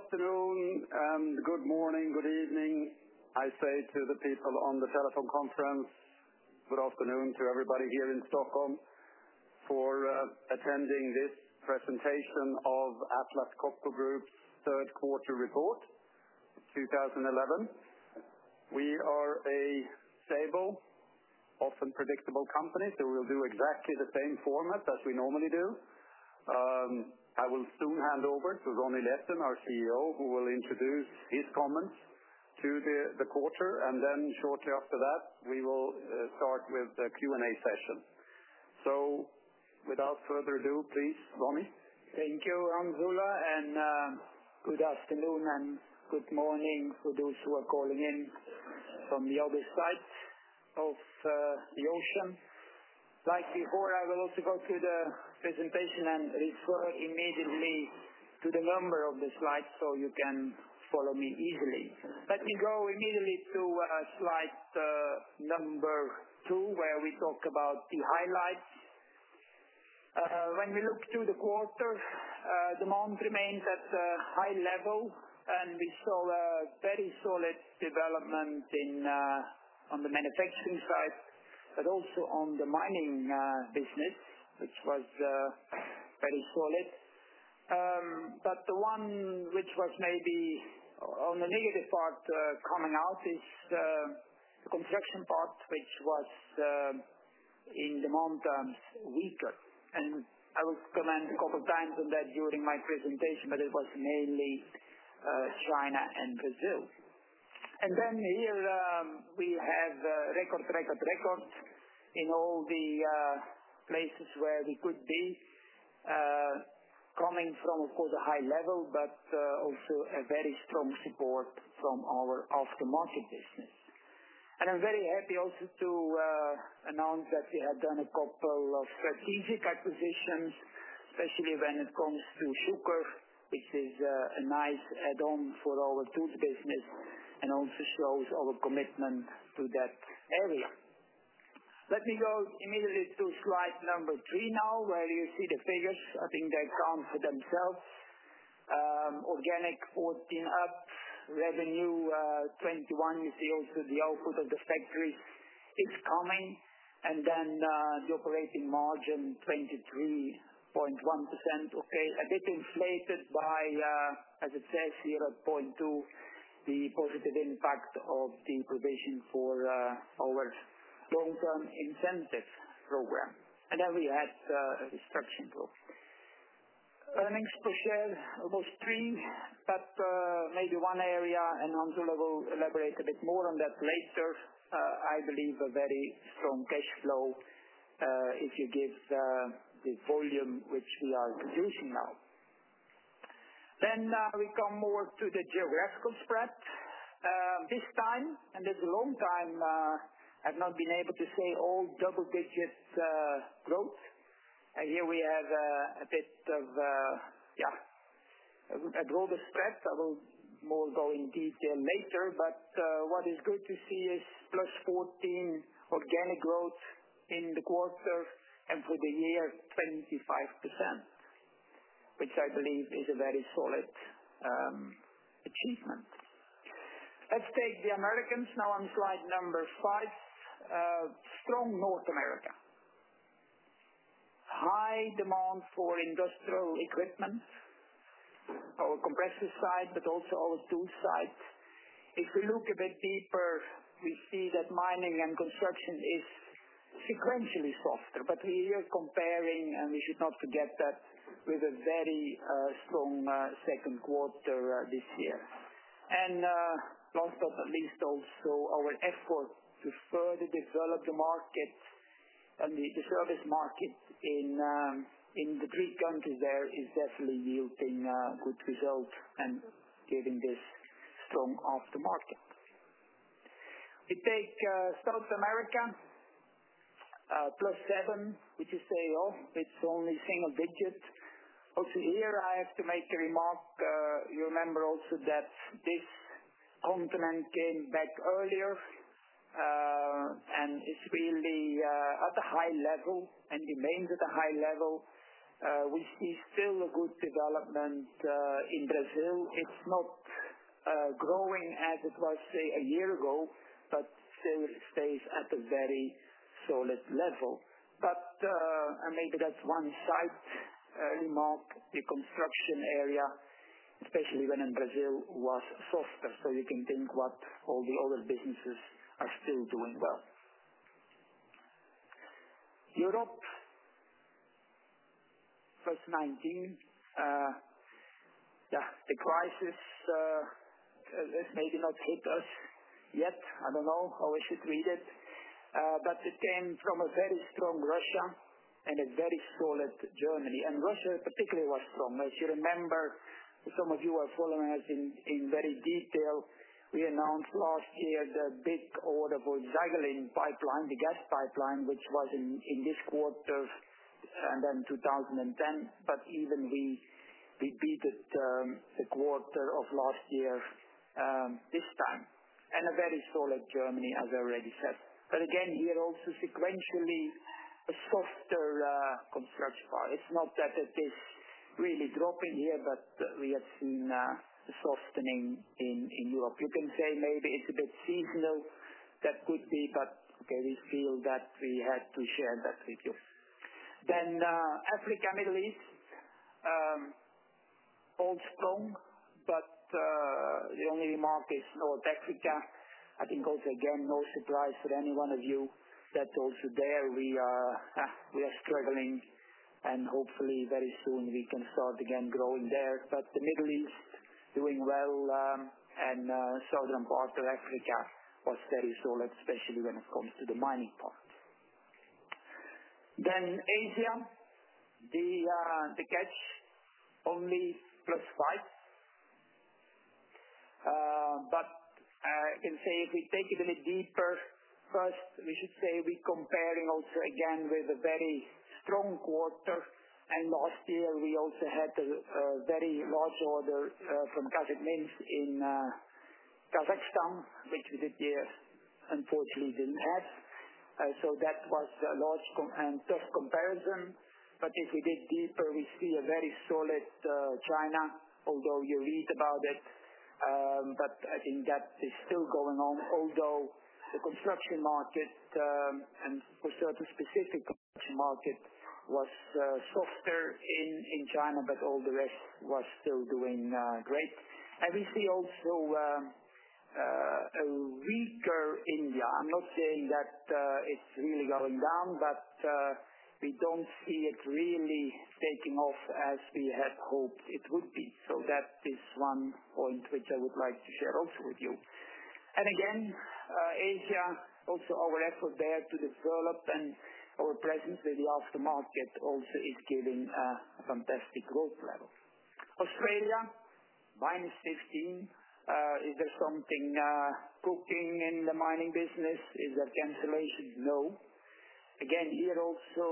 Good afternoon, and good morning, good evening, I say to the people on the telephone conference. Good afternoon to everybody here in Stockholm for attending this presentation of Atlas Copco Group's Third Quarter Report, it's 2011. We are a stable, often predictable company, so we'll do exactly the same format as we normally do. I will soon hand over to Ronnie Leten, our CEO, who will introduce his comments to the quarter, and then shortly after that, we will start with the Q&A session. Without further ado, please, Ronnie. Thank you, Hans Ola, and good afternoon and good morning for those who are calling in from the other sides of the ocean. Right before, I will also go through the presentation and refer immediately to the number of the slides so you can follow me easily. Let me go immediately to slide number two where we talked about the highlights. When we look through the quarter, demand remains at a high level, and we saw a very solid development on the manufacturing side, but also on the mining business, which was very solid. The one which was maybe on the negative part coming out is the construction part, which was in the month of winter. I will comment a couple of times on that during my presentation, but it was mainly China and Brazil. Here, we have record, record, record in all the places where we could be, coming from, of course, a high level, but also a very strong support from our aftermarket business. I'm very happy also to announce that we have done a couple of strategic acquisitions, especially when it comes to sugar, which is a nice add-on for our toothpaste and also shows our commitment to that area. Let me go immediately to slide number three now where you see the figures. I think they count for themselves. [Organic 14 up, revenue 21] is the old sugar factory is coming, and then the operating margin 23.1%. Okay, a bit inflated by, as it says, 0.2%, the positive impact of the incubation for our long-term incentive program. We have the construction flows. Balance for share was three, but maybe one area, and Hans will elaborate a bit more on that later. I believe a very strong cash flow if you give the volume which we are producing now. We come more to the geographical spread. This time, and this is a long time, I've not been able to see all double-digit growth. Here we have a bit of, yeah, a global stress. I will more go into detail later, but what is good to see is +14% organic growth in the quarter, and for the year, 25%, which I believe is a very solid achievement. Let's take the Americans now on slide number five. Strong North America. High demand for industrial equipment, our compressor side, but also our tool side. If we look a bit deeper, we see that mining and construction is sequentially softer, but we are comparing, and we should not forget that, with a very strong second quarter this year. Last but not least, also our effort to further develop the market and the service market in the three countries is definitely yielding good results and giving this strong aftermarket. If we take South America, +7%, which is very low, it's only a single digit. Also, here I have to make a remark. You remember also that this continent came back earlier, and it's really at a high level and remains at a high level. We see still a good development in Brazil. It's not growing as it was, say, a year ago, but still stays at a very solid level. Maybe that's one side remark, the construction area, especially in Brazil, was softer. You can think what all the other businesses. +19%. The crisis has maybe not hit us yet. I don't know how we should read it. It came from a very strong Russia and a very solid Germany. Russia particularly was strong. If you remember, some of you are following us in very detail. We announced last year the big order for the [Ziggling] pipeline, the gas pipeline, which was in this quarter and then 2010. Even we beat it a quarter of last year this time. A very solid Germany, as I already said. Again, here also sequentially a softer construction. It's not that it is really dropping here, but we have seen a softening in Europe. You can say maybe it's a bit seasonal. That could be, but we feel that we had to share that with you. Africa, Middle East, all strong, but the only remark is North Africa. I think also again, no surprise for any one of you that also there we are struggling, and hopefully very soon we can start again growing there. The Middle East is doing well, and the southern part of Africa was very solid, especially when it comes to the mining part. Asia, the catch, only +5%. I can say if we take it a little deeper, first, we should say we're comparing also again with a very strong quarter. Last year, we also had a very large order from [Kazakhstan] in Kazakhstan, which we did here, unfortunately, didn't have. That was a large and fair comparison. If we dig deeper, we see a very solid China, although you read about it. I think that is still going on, although the construction market and construction-specific market was softer in China, but all the rest was still doing great. We see also a weaker India. I'm not saying that it's really going down, but we don't see it really taking off as we had hoped it would be. That is one point which I would like to clarify with you. Again, Asia, also our effort there to develop and our presence in the aftermarket also is giving a fantastic growth level. Australia, -15%. Is there something cooking in the mining business? Is that cancellation? No. Here also,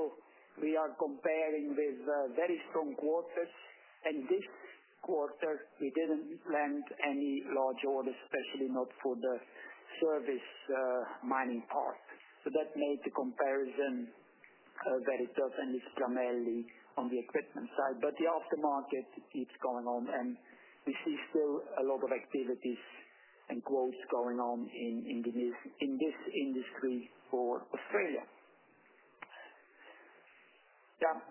we are comparing with a very strong quarter. This quarter, we didn't implant any large orders, especially not for the service mining part. That made the comparison very certainly strawberry on the equipment side. The aftermarket is going on, and we see still a lot of activities and growth going on in this industry for Australia.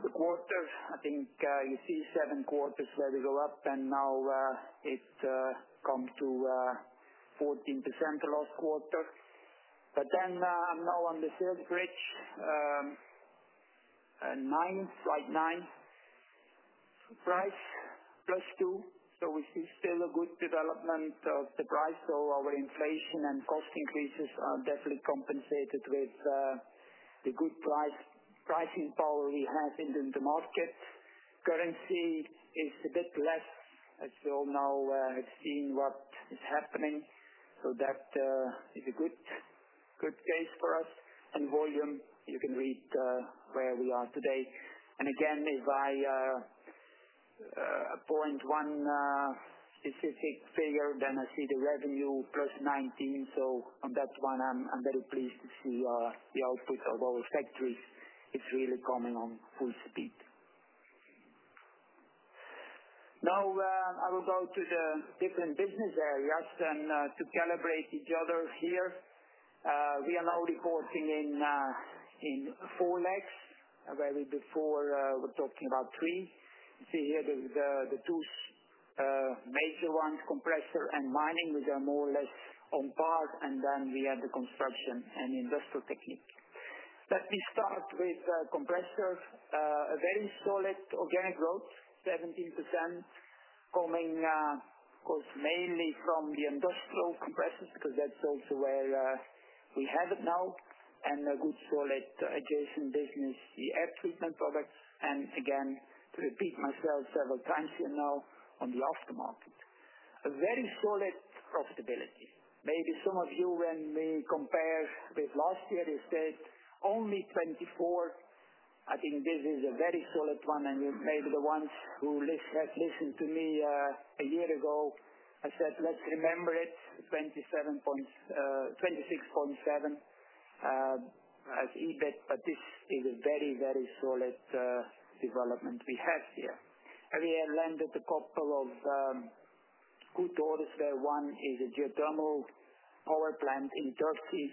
The quarter, I think you see seven quarters where we go up, and now it's come to 14% last quarter. I'm now on the third bridge, slide nine. Price +2%. We see still a good development of the price. Our inflation and cost increases are definitely compensated with the good pricing power we have in the market. Currency is a bit less, as you all know, seeing what is happening. That is a good case for us. Volume, you can read where we are today. If I point one specific figure, then I see the revenue +19%. That's why I'm very pleased to see the output of our factories is really coming on full speed. Now I will go to the different business areas and to calibrate each other here. We are now reporting in four legs, where we before were talking about three. You see here the two major ones, compressor and mining, which are more or less on par. Then we have the construction and industrial technique. Let me start with the compressor. A very solid organic growth, 17% coming mainly from the industrial compressors because that's also where we have it now. A good solid adjacent business, the air treatment products. To repeat myself several times here now on the aftermarket. A very solid profitability. Maybe some of you, when we compare with last year, you said only 24%. I think this is a very solid one. Maybe the ones who have listened to me a year ago have said, "Look, remember it's 26.7%," as you did. This is a very, very solid development we have here. We have landed a couple of good orders there. One is a geothermal power plant in Turkey,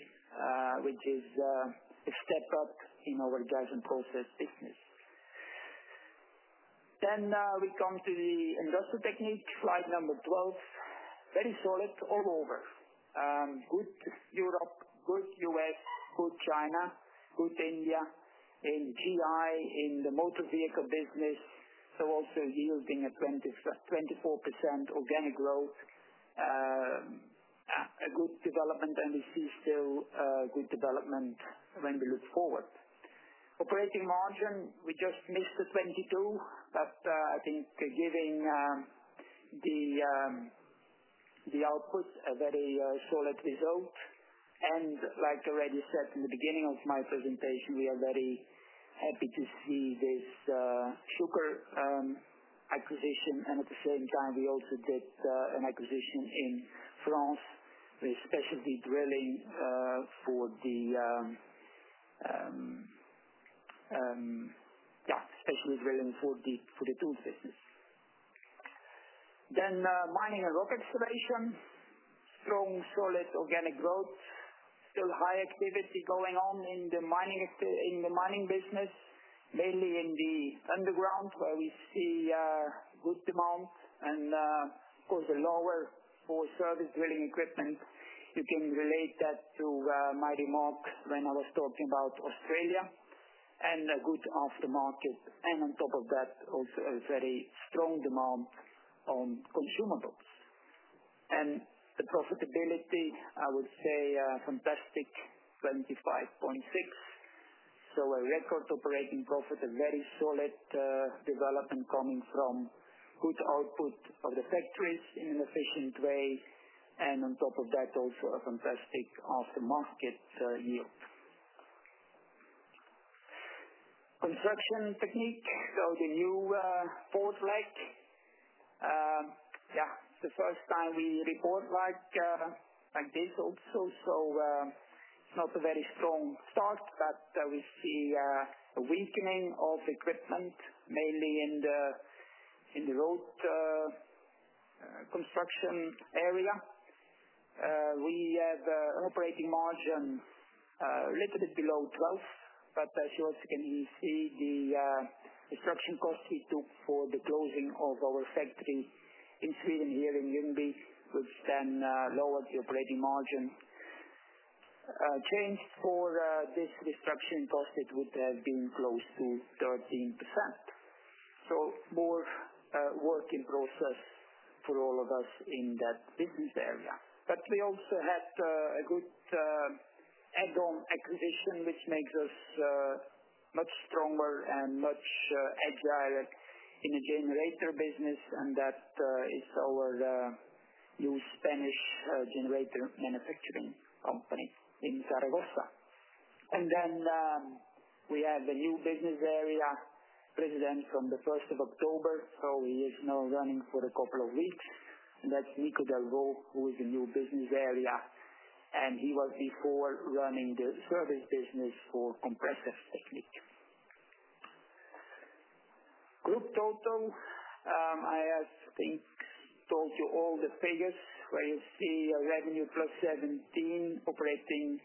which is a step up in our gas and coal business. We come to the industrial technique, slide number 12. Very solid all over. Good Europe, good U.S., good China, good India in GI, in the motor vehicle business. Also yielding at 24% organic growth. A good development, and we see still a good development when we look forward. Operating margin, we just missed the 22%, but I think giving the output a very solid result. Like I already said in the beginning of my presentation, we are very happy to see this sugar acquisition. At the same time, we also did an acquisition in France, especially drilling for the, yeah, especially drilling for the tool business. Mining and rock excavation, strong solid organic growth. Still high activity going on in the mining business, mainly in the underground where we see good demand. Of course, the lower for service drilling equipment. You can relate that to my remark when I was talking about Australia. A good aftermarket. On top of that, also a very strong demand on consumables. The profitability, I would say, fantastic, 25.6%. A record operating profit, a very solid development coming from good output of the factories in an efficient way. On top of that, also a fantastic aftermarket yield. Construction technique, so the new fourth leg. It's the first time we record like this also. Not a very strong start, but we see a weakening of equipment, mainly in the road construction area. We have an operating margin a little bit below 12%. As you can see, the construction costs we took for the closing of our factory in Sweden here in Lundby, which then lowered the operating margin. Change for this construction cost, it would have been close to 13%. More work in process for all of us in that business area. We also have a good add-on acquisition, which makes us much stronger and much more agile in the generator business. That is our new Spanish generator manufacturing company in Zaragoza. We have a new business area President from the 1st of October. He is now running for a couple of weeks. That's Nico Delvaux, who is a new business area. He was before running the service business for compressors. Group total, I have told you all the figures where you see a revenue +17%, operating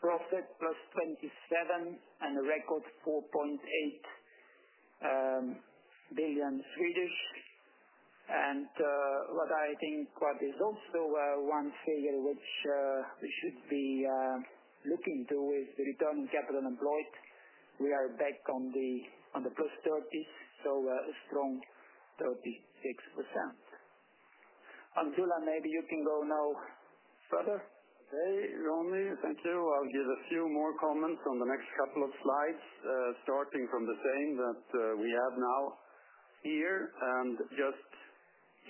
profit +27%, and a record 4.8 billion. What I think, what is also one figure which we should be looking to is the return on capital employed. We are back on the +30%, so a strong 36%. Hans Ola, maybe you can go now further. Okay, Ronnie, thank you. I'll give a few more comments on the next couple of slides, starting from the same that we have now here. Just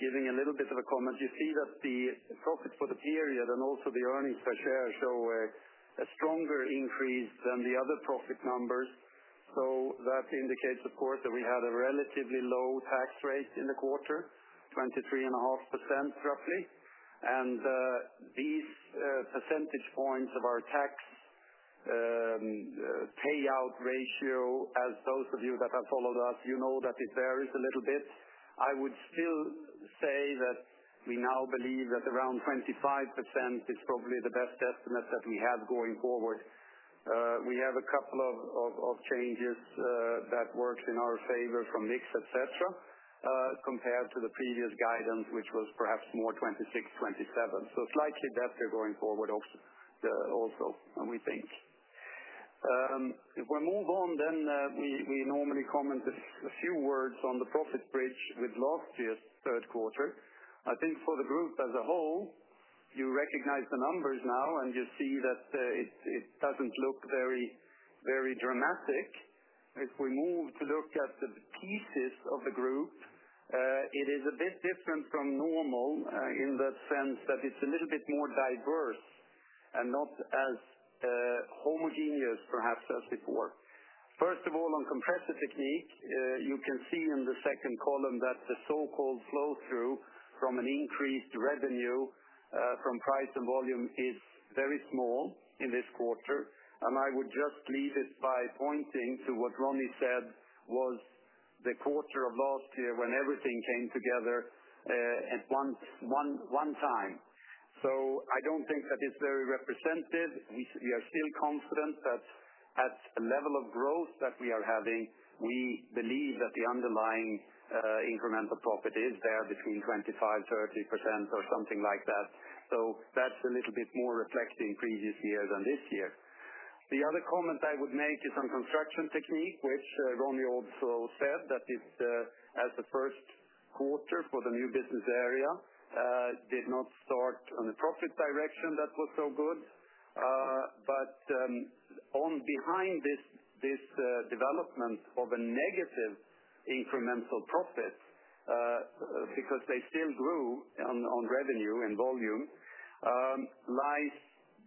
giving a little bit of a comment. You see that the profit for the period and also the earnings per share, so a stronger increase than the other profit numbers. That indicates the quarter we had a relatively low tax rate in the quarter, 23.5% roughly. These percentage points of our tax payout ratio, as those of you that have followed us, you know that it varies a little bit. I would still say that we now believe that around 25% is probably the best estimate that we have going forward. We have a couple of changes that worked in our favor from Nixon, etc., compared to the previous guidance, which was perhaps more 26%, 27%. Slightly better going forward also, we think. If we move on, we normally comment a few words on the profit bridge with last year's third quarter. I think for the group as a whole, you recognize the numbers now and you see that it doesn't look very, very dramatic. If we move to look at the thesis of the group, it is a bit different from normal in that sense that it's a little bit more diverse and not as homogeneous, perhaps, as before. First of all, on compressor technique, you can see in the second column that the so-called flow-through from an increased revenue from price and volume is very small in this quarter. I would just leave this by pointing to what Ronnie said was the quarter of last year when everything came together at one time. I don't think that it's very representative. We are still constant, but at the level of growth that we are having, we believe that the underlying incremental profit is there between 25%, 30% or something like that. That's a little bit more reflecting previous years than this year. The other comment I would make is on construction technique, which Ronnie also said that it's as the first quarter for the new business area, it did not start in a profit direction that was so good. On behind this development of a negative incremental profit, because they still grew on revenue and volume, lies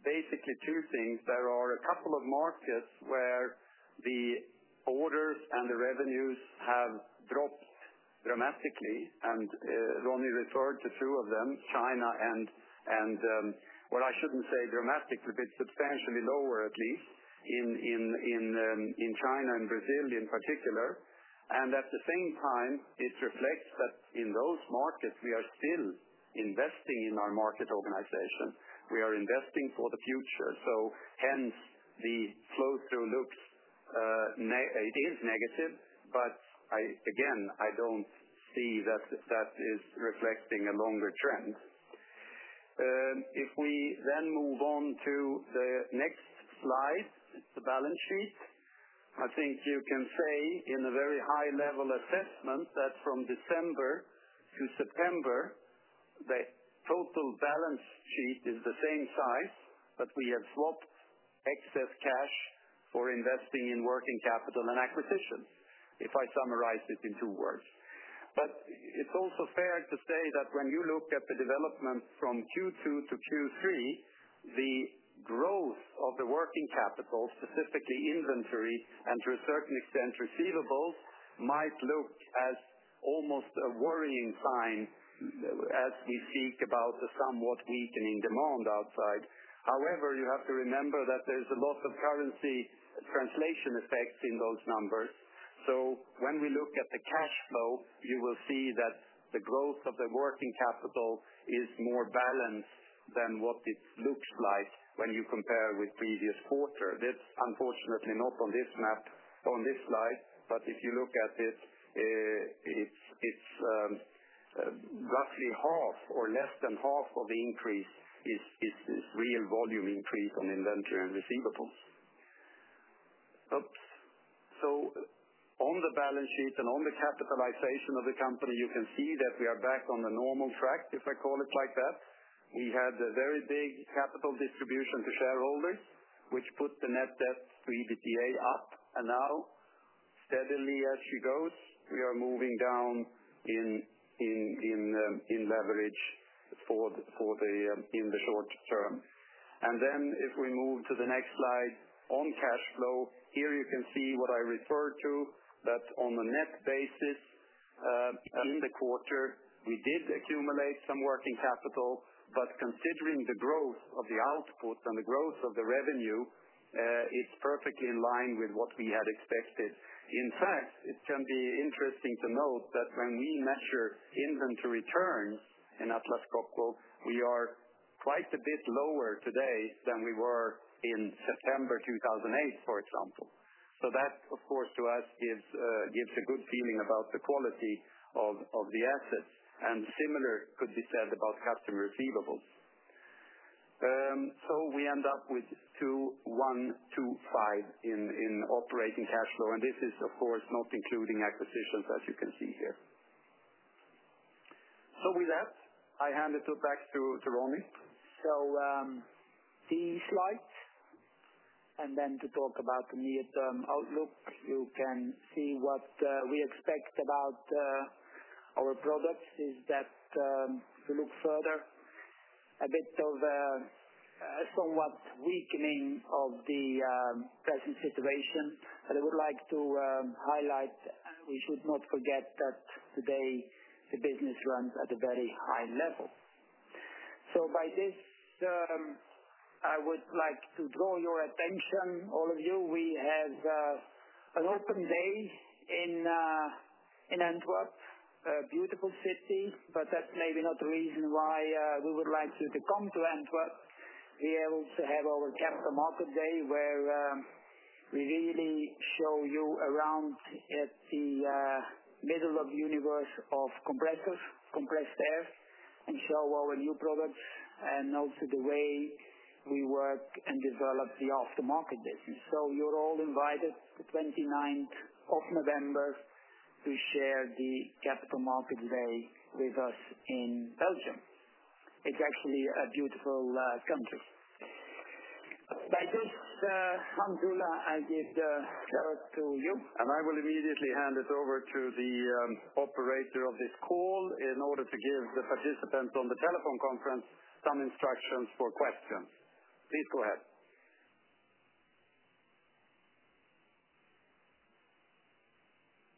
basically two things. There are a couple of markets where the orders and the revenues have dropped dramatically. Ronnie referred to two of them, China and, I shouldn't say dramatic, but substantially lower at least in China and Brazil in particular. At the same time, it reflects that in those markets, we are still investing in our market organization. We are investing for the future. Hence, the flow-through looks, it is negative, but again, I don't see that that is reflecting a longer trend. If we then move on to the next slide, the balance sheet, I think you can say in a very high-level assessment that from December to September, the total balance sheet is the same size, but we have swapped excess cash for investing in working capital and acquisition, if I summarize it in two words. It's also fair to say that when you look at the development from Q2 to Q3, the growth of the working capital, specifically inventory, and to a certain extent receivables, might look as almost a worrying sign as we speak about the somewhat weakening demand outside. However, you have to remember that there's a lot of currency translation effects in those numbers. When we look at the cash flow, you will see that the growth of the working capital is more balanced than what it looks like when you compare with the previous quarter. That's unfortunately not on this map, on this slide, but if you look at this, it's roughly half or less than half of the increase is this real volume increase on the inventory and receivables. On the balance sheet and on the capitalization of the company, you can see that we are back on the normal track, if I call it like that. We had a very big capital distribution to shareholders, which put the net debt for a BPA up. Now, steadily as it goes, we are moving down in leverage in the short term. If we move to the next slide on cash flow, here you can see what I referred to, that on the net basis, in the quarter, we did accumulate some working capital, but considering the growth of the output and the growth of the revenue, it's perfectly in line with what we had expected. In fact, it can be interesting to note that when we measure inventory returns in Atlas Copco, we are quite a bit lower today than we were in September 2008, for example. That, of course, to us gives a good feeling about the quality of the assets. Similar could be said about customer receivables. We end up with 2,125 in operating cash flow. This is, of course, not including acquisitions, as you can see here. With that, I hand it back to Ronnie. See slides. To talk about the near-term outlook, you can see what we expect about our products is that to look further, a bit of a somewhat weakening of the present situation. I would like to highlight, we should not forget that today the business runs at a very high level. By this, I would like to draw your attention, all of you. We have an open day in Antwerp, a beautiful city, but that may not be the reason why we would like you to come to Antwerp. We also have our capital market day where we really show you around at the middle of the universe of compressed air. We show our new products and also the way we work and develop the aftermarket business. You're all invited the 29th of November to share the capital market day with us in Belgium. It's actually a beautiful campus. Thank you. Hans Ola, I give the word to you. I believe easily hand it over to the operator of this call in order to give the participants on the telephone conference some instructions for questions. Please go ahead.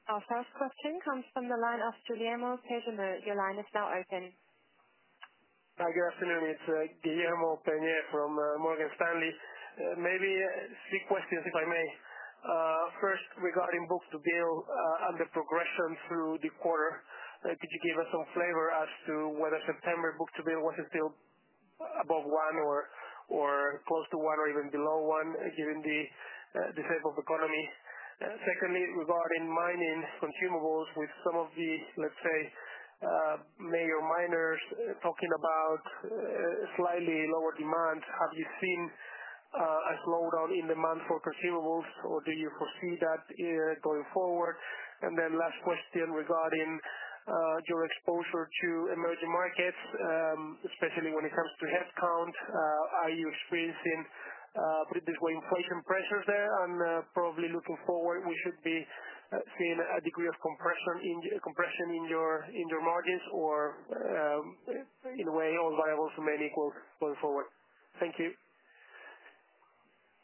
Our first question comes from the line of [Guillermo]. Your line is now open. Good afternoon. It's [Guillermo Pena] from Morgan Stanley. Maybe three questions, if I may. First, regarding book to bill and the progression through the quarter, could you give us some flavor as to whether September book to bill was still above one or close to one or even below one, given the type of economy? Secondly, regarding mining consumables, with some of the, let's say, major miners talking about slightly lower demands, have you seen a slowdown in demand for consumables, or do you foresee that going forward? Last question regarding your exposure to emerging markets, especially when it comes to headcount. Are you facing particularly inflationary pressures there? Probably looking forward, we should be seeing a degree of compression in your margins or, in a way, all viable to many quotes going forward. Thank you.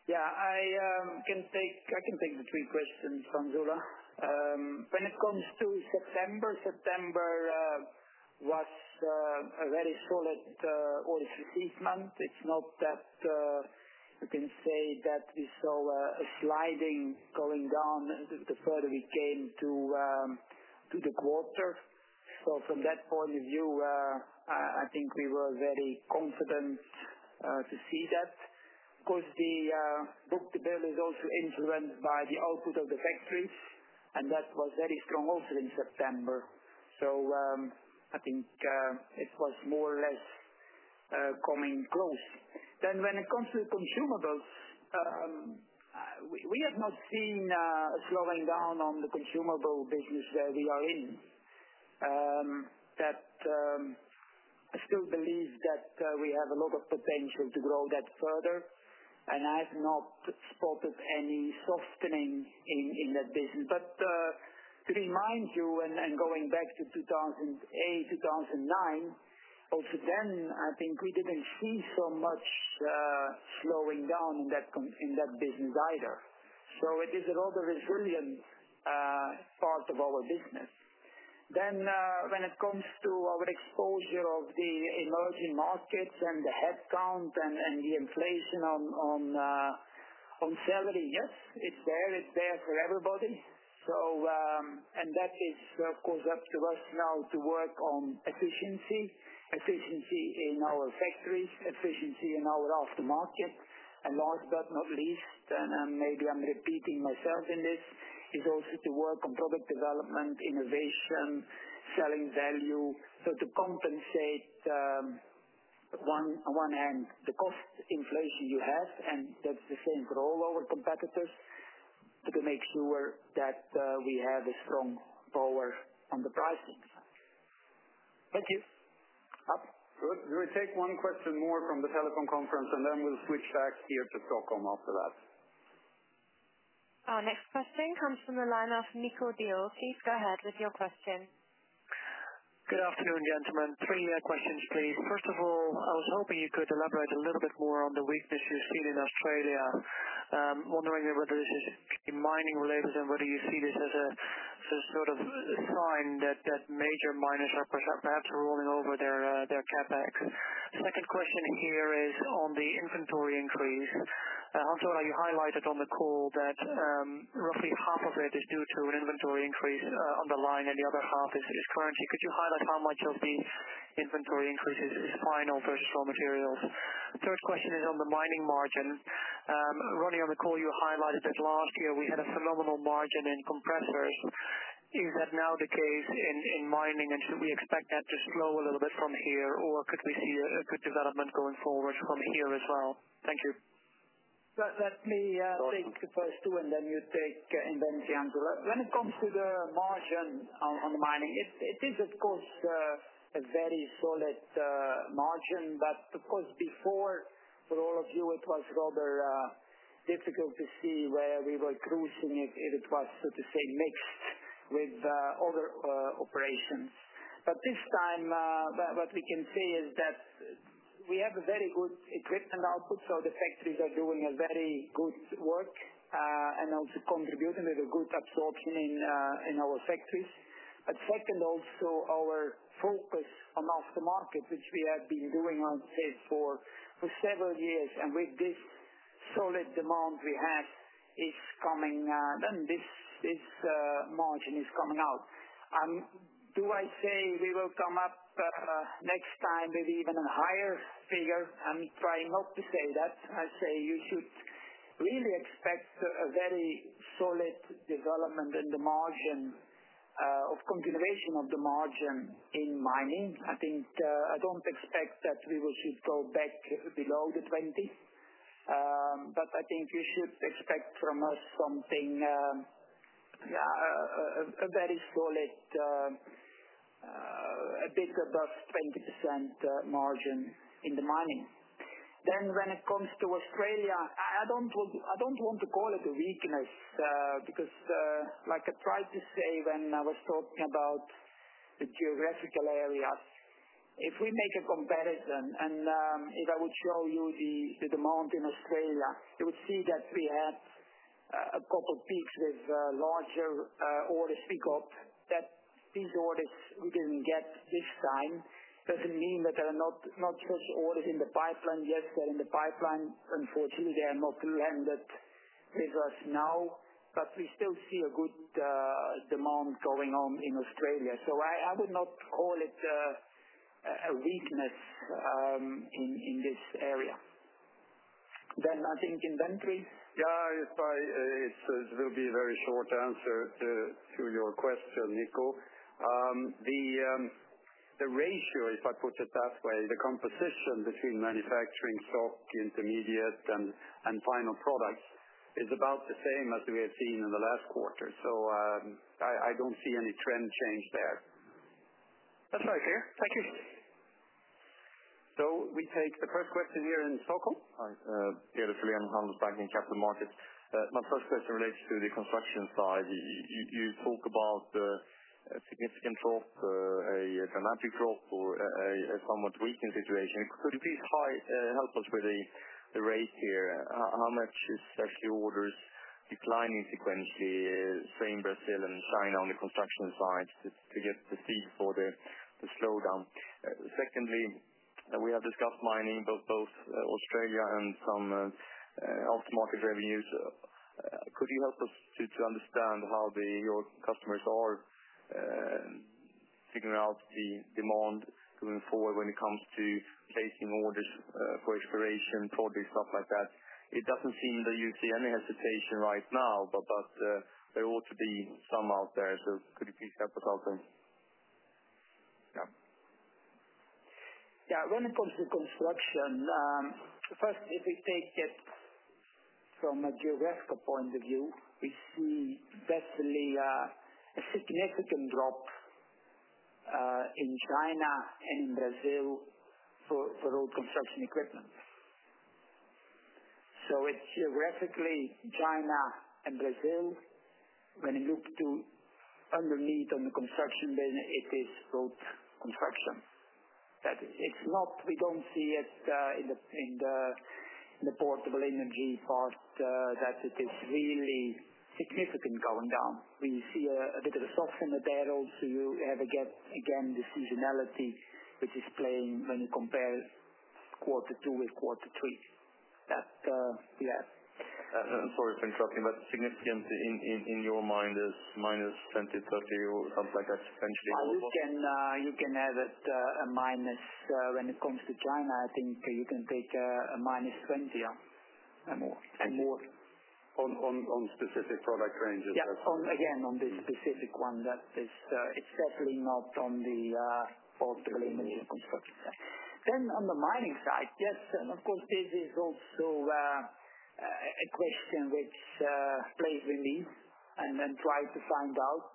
Yeah, I can take the three questions, Hans Ola. When it comes to September, September was a very solid all-season month. It's not that we saw a sliding going down the further we came to the quarter. From that point of view, I think we were very confident to see that. Of course, the book to bill is also influenced by the output of the factories, and that was very strong also in September. I think it was more or less coming close. When it comes to consumables, we have not seen a slowing down on the consumable business that we are in. I still believe that we have a lot of potential to grow that further, and I have not spotted any softening in that business. To remind you, and going back to 2008, 2009, also then, I think we didn't see so much slowing down in that business either. It is a lot of resilience, part of our business. When it comes to our exposure of the emerging markets and the headcount and the inflation on salaries, yes, it's there. It's there for everybody, and that is what comes up to us now to work on efficiency, efficiency in our factories, efficiency in our aftermarket. Last but not least, and maybe I'm repeating myself in this, is also to work on product development, innovation, selling value. To compensate, on one hand, the cost inflation you have, and that's the same for all our competitors, to make sure that we have a strong power on the price themselves. Thank you. We'll take one question more from the telecom conference, and then we'll switch back here to Stockholm after that. Our next question comes from the line of [Nico Diotti]. Go ahead with your question. Good afternoon, gentlemen. Three questions, please. First of all, I was hoping you could elaborate a little bit more on the weaknesses seen in Australia. I'm wondering whether it's mining related and whether you see this as a sort of sign that major miners are perhaps rolling over their CapEx. The second question here is on the inventory increase. Hans Ola, you highlighted on the call that roughly half of it is due to an inventory increase on the line, and the other half is currency. Could you highlight how much of the inventory increase is final versus raw materials? The third question is on the mining margins. Ronnie, on the call, you highlighted that last year we had a phenomenal margin in compressors. Is that now the case in mining, and should we expect that to grow a little bit from here, or could we see a good development going forward from here as well? Thank you. Let me answer first too, and then you take the inventory. When it comes to the margin on mining, it is, of course, a very solid margin. For all of you, it was rather difficult to see where we were cruising. It was, so to say, mixed with other operations. This time, what we can say is that we have a very good equipment output, so the factories are doing a very good work, and also contributing with a good absorption in our factories. Certainly, also, our focus on aftermarket, which we have been going on for several years, and with this solid demand we have, then this margin is coming out. Do I say we will come up next time, maybe even a higher figure? I'm trying not to say that. I say you should really expect a very solid development in the margin, of continuation of the margin in mining. I think I don't expect that we will see it go back below the 20%s. I think you should expect from us something, a very solid, a bit above 20% margin in the mining. When it comes to Australia, I don't want to call it a weakness because, like I tried to say when I was talking about the geographical areas, if we make a comparison, and if I would show you the demand in Australia, you would see that we had a couple of peaks with larger orders picked up. That seems to what we can get this time. It doesn't mean that there are not just orders in the pipeline. Yes, they're in the pipeline. Unfortunately, they are not re-ended with us now. We still see a good demand going on in Australia. I would not call it a weakness in this area. I think inventory. Yeah, it will be a very short answer to your question, [Nico]. The ratio, if I put it that way, the composition between manufacturing stock, the intermediate, and final products is about the same as we have seen in the last quarter. I don't see any trend change there. That's very clear. Thank you. We take the first question here in Stockholm. Sorry. [Peter Fillion from Handelsbanken] Capital Markets. My first question relates to the construction side. You talk about a significant drop, a dramatic drop, or a somewhat weakened situation. Could you help us with the rate here? How much is that the orders declining to 20% say in Brazil and in China on the construction side to get the sense for the slowdown? Secondly, we have discussed mining, both Australia and some aftermarket revenues. Could you help us to understand how your customers are figuring out the demand going forward when it comes to facing orders, questions, projects, stuff like that? It doesn't seem that you see any hesitation right now, but there ought to be some out there. Could you please help us out there? Yeah, when it comes to construction, the first is to take it from a geographical point of view. We definitely see a significant drop in China and in Brazil for all construction equipment. It's geographically in China and Brazil. When you look underneath on the construction business, it is road construction. That is not, we don't see it in the portable energy part, that it is really significant going down. You see a bit of a soft from the barrel, so you have again this seasonality which is playing when you compare quarter two with quarter three. Sorry for interrupting, but significant in your mind is -20%, -30% like I mentioned before. You can add a minus when it comes to China. I think you can take a -20% or more. On specific product ranges. Yes. Again, on this specific one, that is certainly not on the fossil energy construction side. On the mining side, yes, of course, this is also a question which plays with me and I try to find out.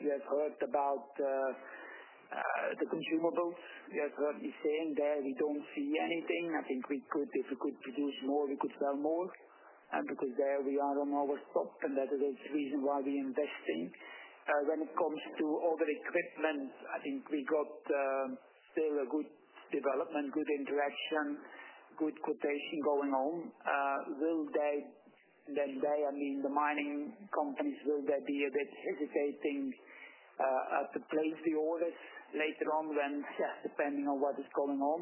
You have heard about the consumables. You have heard me saying there we don't see anything. I think it's so difficult to do small because we are small, because there we are on our top, and that is the reason why we invest in it. When it comes to other equipment, I think we got very good development, good interaction, good quotation going on. Will they, I mean, the mining companies, be a bit hesitating to place the orders later on, depending on what is going on?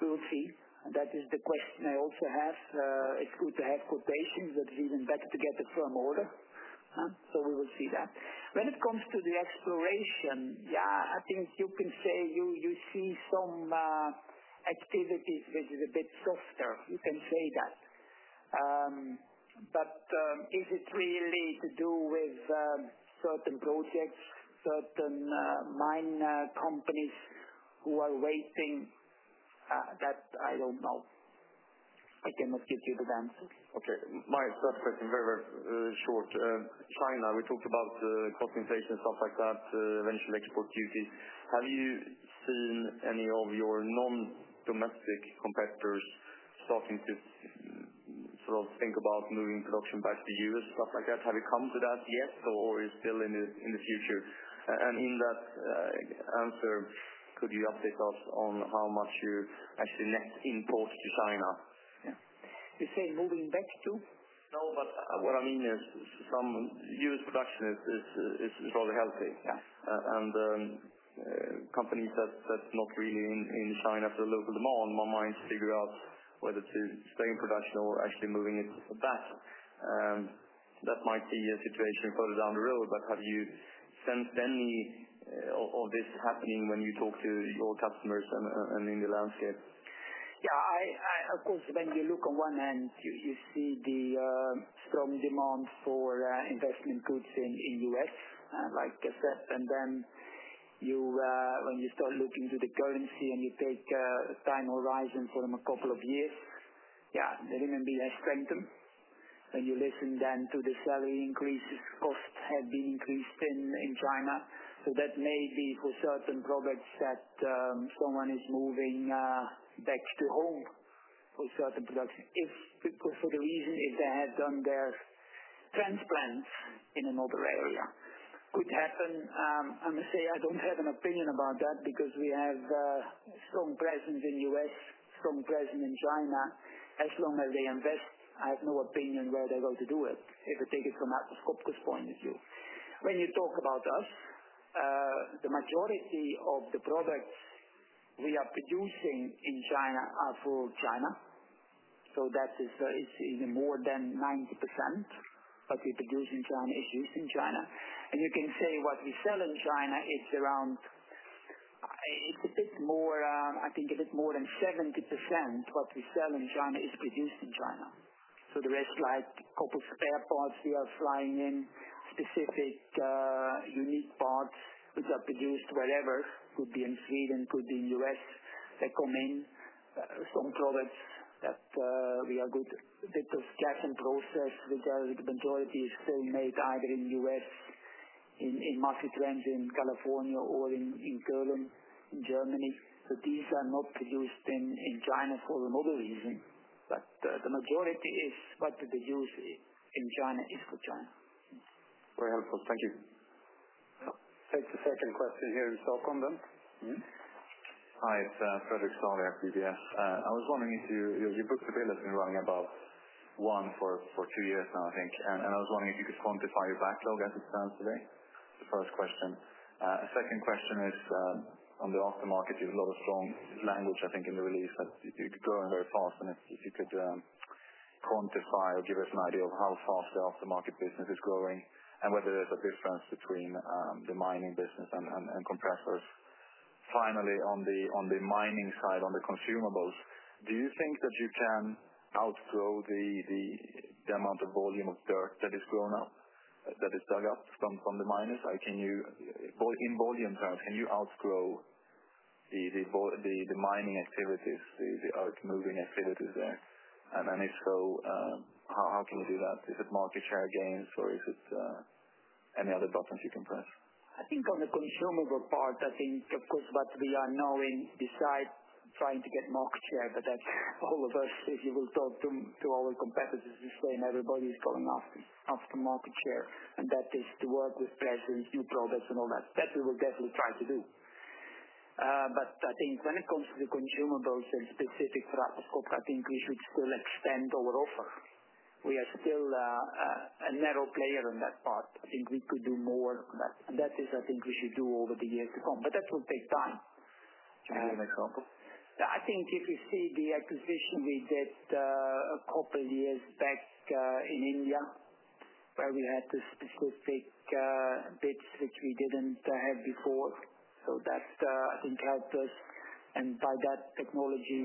We'll see. That is the question I also have. It's good to have quotations, but it's even better to get a firm order. We will see that. When it comes to the exploration, I think you can say you see some activities which are a bit softer. You can say that. Is it really linked to certain projects, certain mining companies who are waiting? That I don't know. I cannot give you that answer. Okay. My last question, very, very short. China, we talked about cutting taxes and stuff like that, eventually export duty. Have you seen any of your non-domestic competitors starting to sort of think about moving production back to the U.S., stuff like that? Have you come to that yet, or is it still in the future? In that answer, could you update us on how much you actually net import to China? You say moving back to? No, what I mean is from U.S. production, it's rather healthy. Yes. Companies that are not really in China for local demand, one might figure out whether to stay in production or actually moving it back. That might be a situation further down the road. Have you sensed any of this happening when you talk to your customers and in the landscape? Yeah, of course, when you look on one end, you see the strong demand for investing inputs in the U.S., like I said. When you start looking to the currency and you take a time horizon from a couple of years, the renminbi has strengthened. You listen then to the salary increases. Costs have been increased in China. That may be for certain products that someone is moving back to home for certain products, if for the reason if they had done their transplants in another area. It could happen. I must say I don't have an opinion about that because we have a strong presence in the U.S., strong presence in China. As long as they invest, I have no opinion on where they're going to do it if I take it from a focus point of view. When you talk about us, the majority of the products we are producing in China are for China. That is even more than 90% of what we produce in China is used in China. You can say what we sell in China is around a bit more, I think a bit more than 70% of what we sell in China is produced in China. The red flags, couples of airports we are flying in, specific meat spots, which are produced wherever, could be in Sweden, could be in the U.S., second in some products. We are good because that's in process. The majority is homemade either in the U.S., in market trends in California or in Germany. These are not produced in China for another reason. The majority is what we produce in China is for China. Very helpful. Thank you. There's a second question here in Stockholm then. Hi. It's further solid up in the U.S. I was wondering if your book to bill has been running above one for two years now, I think. I was wondering if you could quantify your backlog as it stands today? The first question. The second question is on the aftermarket. There's a lot of strong language, I think, in the release, but it's growing very fast. If you could quantify or give us an idea of how fast the aftermarket business is growing and whether there's a difference between the mining business and compressors. Finally, on the mining side, on the consumables, do you think that you can outgrow the amount of volume of dirt that is grown up, that is dug up from the miners? Can you, in volume terms, can you outgrow the mining activities, the earth moving activities there? If so, how can we do that? Is it market share gains or is it any other buttons you can press? I think on the consumable part, of course, we are knowing besides trying to get market share, but that's all of us. If you talk to our competitors, we've shown everybody from aftermarket share, and that is to work with certain new products and all that. That we will definitely try to do. I think when it comes to the consumables and specifics for us, we should still extend our offer. We are still a narrow player in that part. I think we could do more of that, and that is, I think, we should do over the years to come. That will take time. That's helpful. I think if you see the acquisition we did a couple of years back in India, where we had to sort of take bits which we didn't have before, that, I think, helped us. By that technology,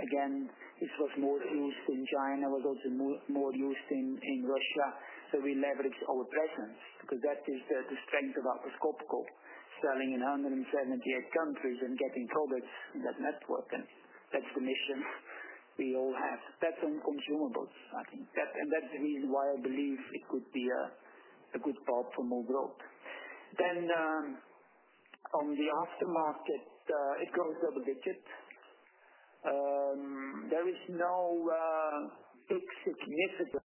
it was more used in China. It was also more used in Russia. We leveraged our presence because that is the strength of Atlas Copco, selling in 178 countries and getting products that match what that commission we all have. That's on consumables, I think, and that's the reason why I believe it could be a good pop from abroad. On the aftermarket, it goes double-digit. There is no significant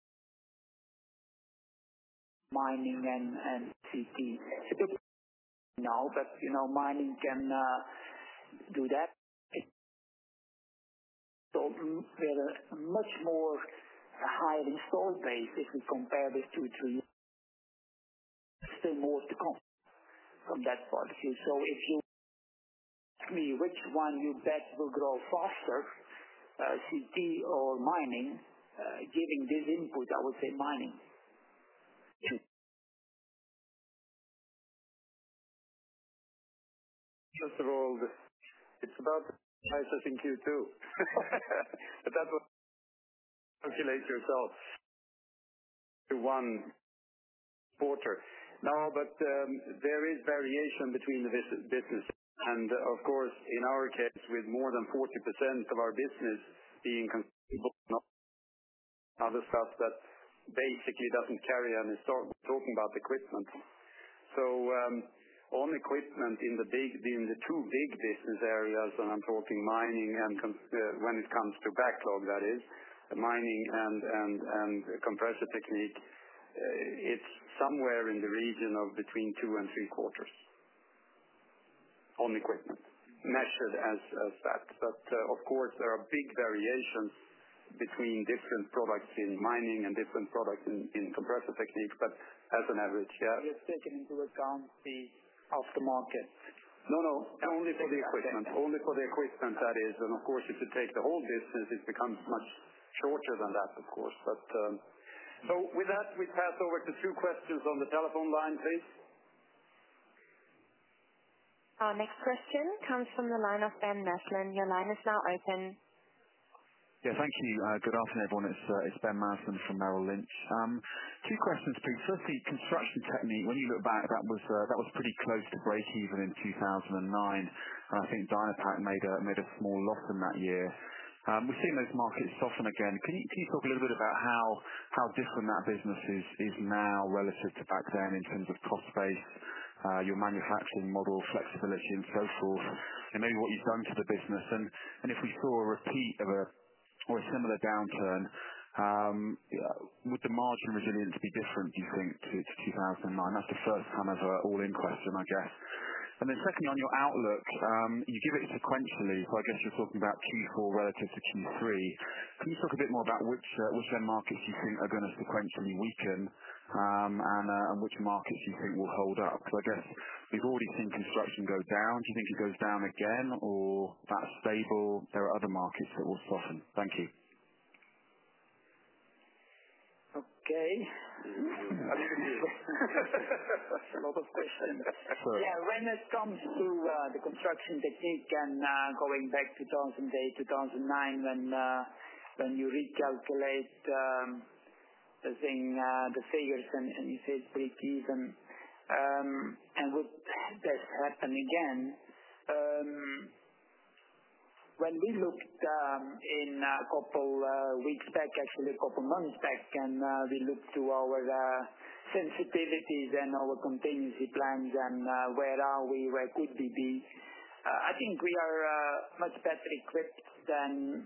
mining and CC now, but you know mining can do that. There are much more higher install bases if you compare this to it to you. Still more to come on that part of you. If you ask me which one will grow faster, CC or mining, giving this input, I would say mining. That's a roll. It's about nicer than Q2. That will escalate yourselves to one quarter now, but there is variation between the business. In our case, with more than 40% of our business being consumable, other stuff that basically doesn't carry on, and start talking about equipment. On equipment in the two big business areas, and I'm talking mining and when it comes to backlog, that is, mining and compressor technique, it's somewhere in the region of between two and three quarters on equipment. Massive as that. There are big variations between different products in mining and different products in compressor technique, but as an average, yeah. Just taking into account the aftermarket business. No, no. Only for the equipment. Only for the equipment, that is. Of course, if you take the whole business, it becomes much shorter than that, of course. With that, we pass over to two questions on the telephone line, please. Our next question comes from the line of Ben Martin. Your line is now open. Thank you. Good afternoon, everyone. It's Ben Martin from Merrill Lynch. Two questions, please. Firstly, construction technique, when you look back, that was pretty close to breaking even in 2009. I think Dynapac made a small loss in that year. We've seen those markets soften again. Can you talk a little bit about how different that business is now relative to back then in terms of cost base, your manufacturing model, flexibility, and so forth, and maybe what you've done to the business? If we saw a repeat of a or a similar downturn, would the margin resilience be different, do you think, to 2009? That's the first kind of all-in question, I guess. Secondly, on your outlook, you give it sequentially. I guess we're talking about Q4 relative to Q3. Can you talk a bit more about which markets you think are going to sequentially weaken and which markets you think will hold up? I guess we've already seen construction go down. Do you think it goes down again or that's stable? Are there other markets that will soften? Thank you. That's another question. Yeah, when it comes to the construction technique and going back to 2008, 2009, when you recalculate the figures and you say it's pretty even, would that happen again? When we looked a couple of weeks back, actually a couple of months back, and we looked to our sensitivities and our contingency plans and where are we, where could we be? I think we are much better equipped than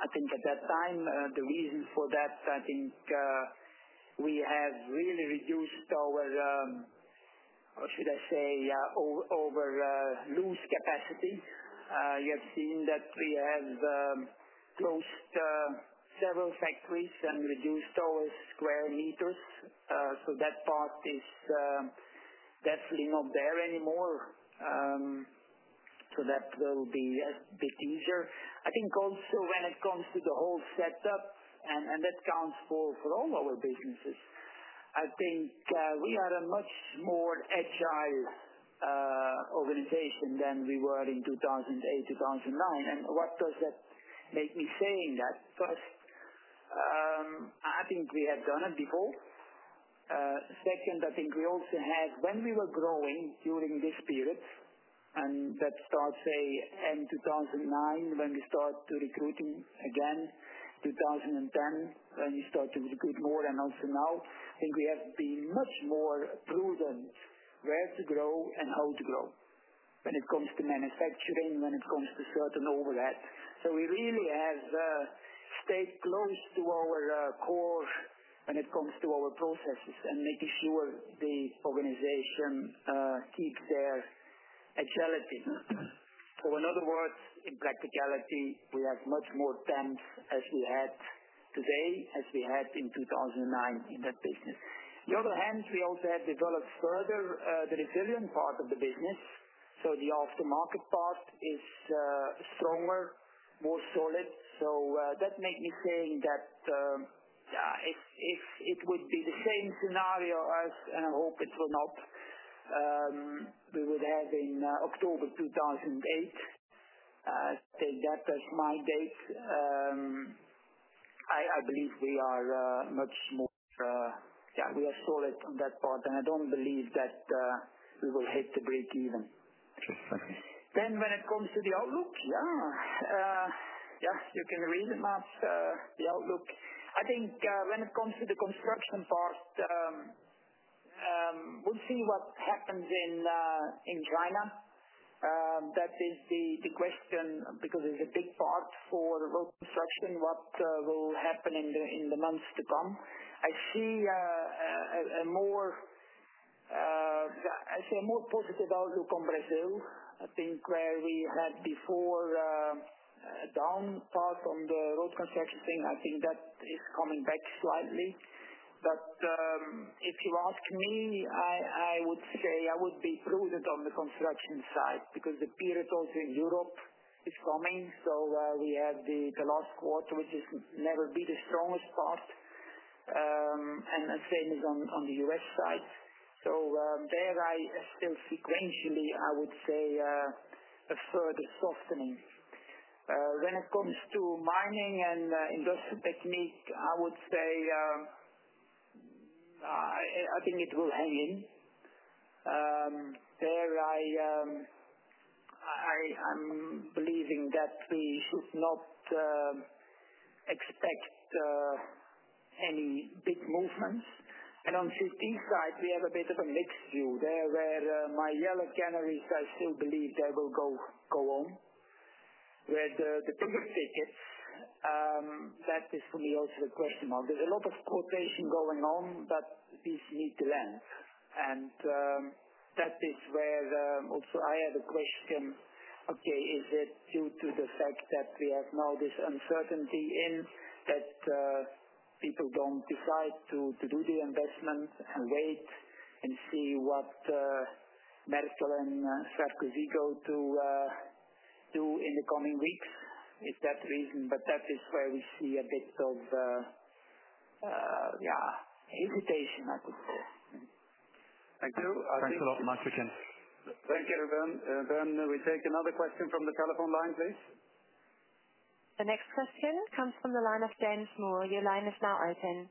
I think at that time. The reason for that, I think we have really reduced our, or should I say, overloose capacity. You have seen that we have closed several factories and reduced our square meters. That part is definitely not there anymore. That will be a bit easier. I think also when it comes to the whole setup, and that counts for all our businesses, I think we are a much more agile organization than we were in 2008, 2009. What does that make me saying that? First, I think we had done it before. Second, I think we also had, when we were growing during this period, and that starts, say, in 2009, when we started recruiting again, in 2010, when we started to recruit more, and also now, I think we have been much more prudent where to grow and how to grow. When it comes to manufacturing, when it comes to certain overhead. We really have stayed close to our core when it comes to our processes and making sure the organization seeks their agility. In practicality, we have much more temps as we had today, as we had in 2009 in that business. On the other hand, we also have developed further the resilience part of the business. The aftermarket part is stronger, more solid. That makes me say that it would be the same scenario as, and I hope it will not, we would have in October 2008. I think that as my date, I believe we are much more, yeah, we are solid on that part. I don't believe that we will hit the break even. When it comes to the outlook, yeah, yeah, you can read it, Martin, the outlook. I think when it comes to the construction part, we'll see what happens in China. That is the question because it's a big part for road construction, what will happen in the months to come. I see a more positive outlook on Brazil. I think where we had before a down part on the road construction thing, I think that is coming back slightly. If you ask me, I would say I would be prudent on the construction side because the period also in Europe is coming. We have the last quarter, which has never been the strongest part. The same is on the U.S. side. There, I still see potentially, I would say, a further softening. When it comes to mining and industrial technique, I would say I think it will hang in. There I am believing that we should not expect any big movements. On CT side, we have a bit of a mixed view. There where my yellow canaries, I still believe they will go on, where the trigger stickers, that is for me also a question mark. There's a lot of quotation going on, but these need to land. That is where also I have a question. Okay, is it due to the fact that we have now this uncertainty in that people don't decide to do the investment and wait and see what Mercer and Saporito do in the coming weeks? Is that the reason? That is where we see a bit of, yeah, hesitation, I would say. Thank you. Thanks a lot, Martin. Thank you, everyone. We take another question from the telephone line, please. The next question comes from the line of James Moore. Your line is now open.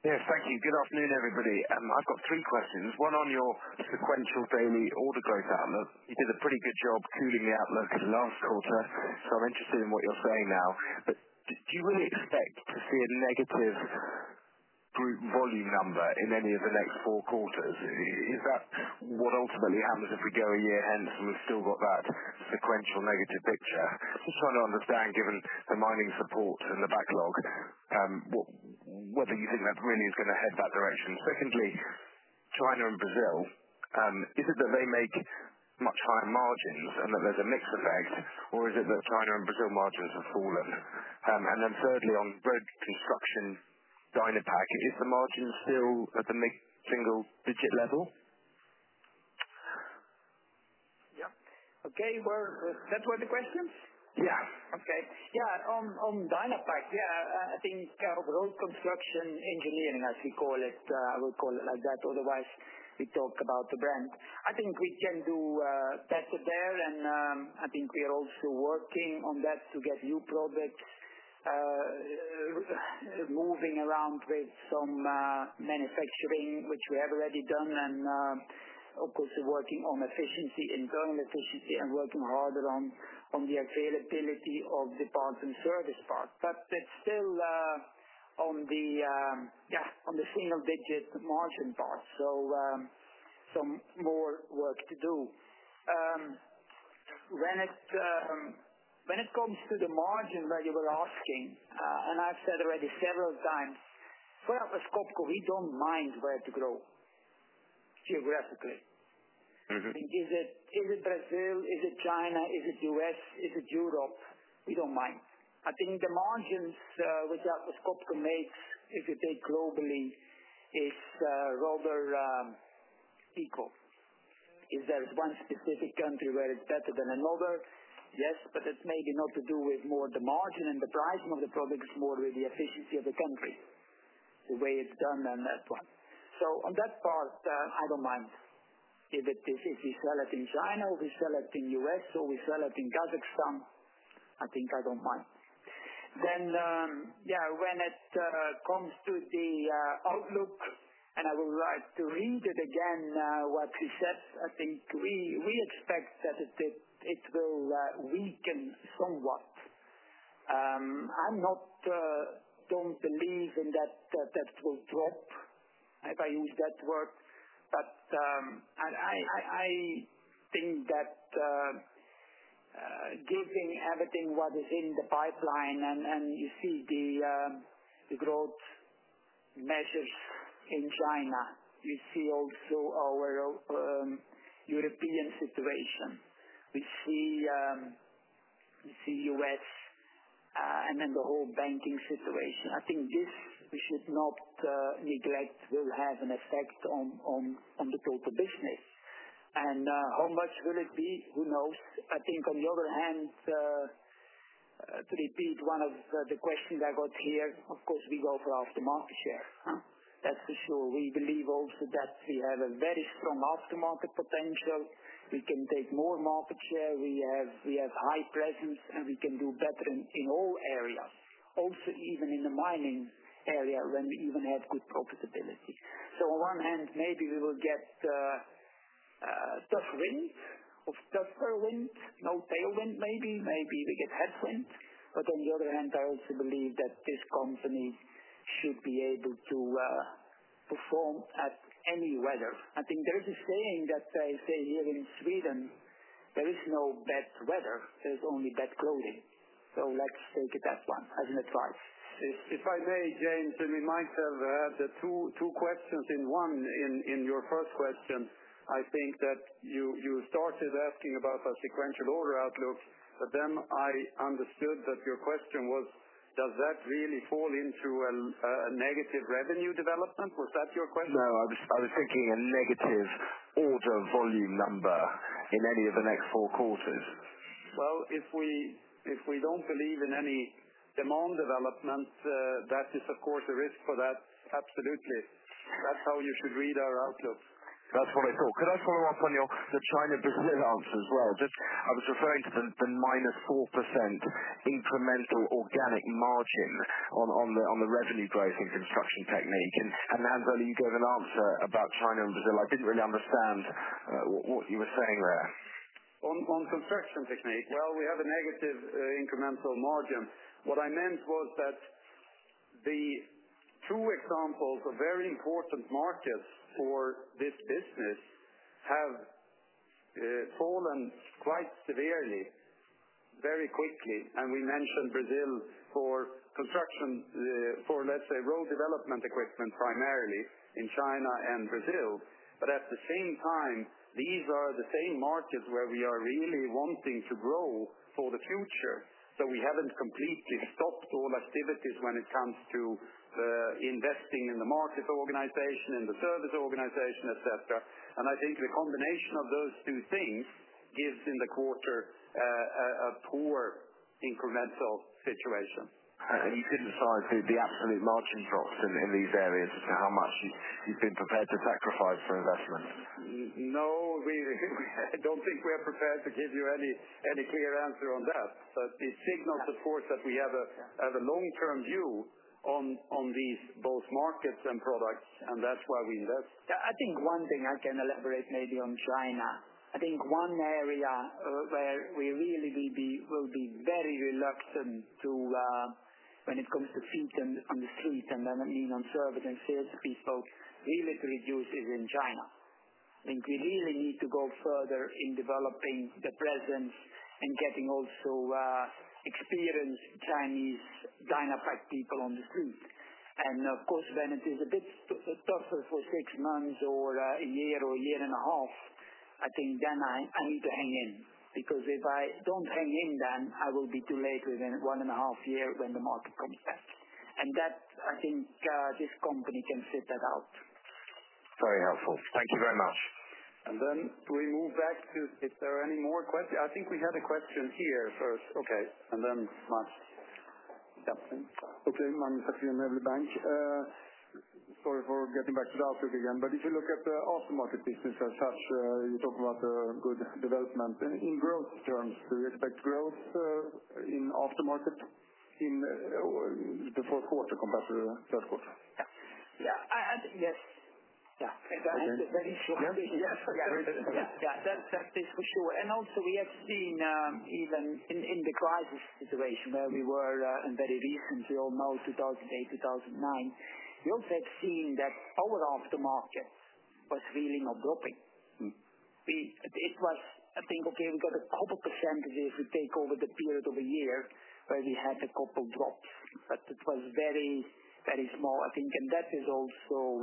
Yes, thank you. Good afternoon, everybody. I've got three questions. One on your sequential daily order growth outlook. You did a pretty good job tuning the outlook in the last quarter, so I'm interested in what you're saying now. Do you really expect to see a negative group volume number in any of the next four quarters? Is that what ultimately happens if we go in year end and we've still got that sequential negative picture? I'm trying to understand, given the mining support and the backlog, whether you think that really is going to head that direction. Secondly, China and Brazil, is it that they make much higher margins and that there's a mix of effects? Or is it that China and Brazil margins have fallen? And then thirdly, on road construction, Dynapac, is the margin still at the single-digit level? Yeah. Okay. That was the question? Yeah. Okay. Yeah. On Dynapac, yeah. I think overall construction engineering, as we call it, I would call it like that. Otherwise, we talked about the brand. I think we can do that there. I think we are also working on that to get new products moving around with some manufacturing, which we have already done. Of course, we're working on efficiency and internal efficiency and working harder on the availability of the part and service part. It's still on the, yeah, on the single-digit margin part. Some more work to do. When it comes to the margin where you were asking, and I've said already several times, for us, Atlas Copco, we don't mind where to grow geographically. I mean, is it Brazil? Is it China? Is it U.S.? Is it Europe? We don't mind. I think the margins that Atlas Copco makes, if you take globally, is rather stable. Is there one specific country where it's better than another? Yes, but that's maybe not to do with more of the margin and pricing of the product. It's more really efficiency of the country, the way it's done on that one. On that part, I don't mind. If it is, if we sell it in China or we sell it in the U.S. or we sell it in Kazakhstan, I think I don't mind. When it comes to the outlook, and I would like to link it again, what we said, I think we expect that it will weaken somewhat. I don't believe in that that will drop, if I use that word. I think that given everything what is in the pipeline and you see the growth measures in China, you see also our European situation. We see U.S. and then the whole banking situation. I think this we should not neglect will have an effect on the total business. How much will it be? Who knows? On the other hand, to repeat one of the questions I got here, of course, we go for aftermarket share. That's for sure. We believe also that we have a very strong aftermarket potential. We can take more market share. We have high presence and we can do better in all areas. Also, even in the mining area when we even have good profitability. On one hand, maybe we will get a tough wind or tougher wind, no tailwind maybe. Maybe we get heavy wind. On the other hand, I also believe that this company should be able to perform at any weather. I think there is a saying that says, "Hey, here in Sweden, there is no bad weather. There's only bad clothing." Let's take it that one, as an advice. If I may, James, to remind myself, the two questions in one, in your first question, I think that you started asking about our sequential order outlook, but then I understood that your question was, does that really fall into a negative revenue development? Was that your question? No, I was thinking a negative income volume number in any of the next four quarters. If we don't believe in any demand developments, that is, of course, a risk for that. Absolutely. That's how you should read our outlook. That's what I thought. Could I follow up on your China as well? I was referring to the -4% incremental organic margin on the revenue growth in construction technique. Hans Ola, you gave an answer about China and Brazil. I didn't really understand what you were saying there. On construction technique, we have a negative incremental margin. What I meant was that the two examples of very important markets for this business have fallen quite severely, very quickly. We mentioned Brazil for construction, for let's say road development equipment primarily in China and Brazil. At the same time, these are the same markets where we are really wanting to grow for the future. We haven't completely stopped all activities when it comes to investing in the market organization, in the service organization, etc. I think the combination of those two things gives in the quarter a poor incremental situation. You couldn't decide the absolute margin shots in these areas as to how much you've been prepared to sacrifice for investment. No, I don't think we are prepared to give you any clear answer on that. It signals the course that we have a long-term view on these both markets and products, and that's why we invest. I think one thing I can elaborate maybe on China. I think one area where we really will be very reluctant to, when it comes to feed and the street, and then I mean on service and service, we spoke really to reduce, is in China. I think we really need to go further in developing the presence and getting also experienced Chinese Dynapac people on the street. Of course, then it is a bit tougher for six months or a year or a year and a half. I think I need to hang in because if I don't hang in, then I will be too late within one and a half years when the market comes back. I think this company can fit that out. Very helpful. Thank you very much. To remove that, if there are any more questions, I think we had a question here first. Okay, and then [Mark]. Okay. I'm [Safi in the bank]. Sorry for getting back to the outlook again. If you look at the aftermarket business as such, you talk about a good development in growth terms. Do you expect growth in aftermarket in the fourth quarter compared to the third quarter? That is for sure. We have seen even in the crisis situation where we were, and very recently, we all know 2008, 2009, we also had seen that our aftermarket was really not dropping. I think we got a couple of percentages to take over the period of a year where we had a couple of drops, but it was very, very small, I think. That is also